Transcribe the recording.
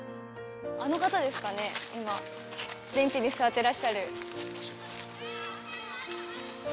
あの方ですかね、今、ベンチに座ってらっしゃる。